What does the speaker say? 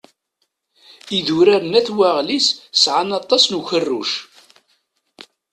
Idurar n At Weɣlis sɛan aṭas n ukerruc.